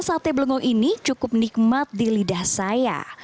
rasa sate belengong ini cukup nikmat di lidah saya